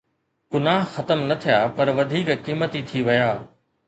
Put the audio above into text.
گناهه ختم نه ٿيا پر وڌيڪ قيمتي ٿي ويا.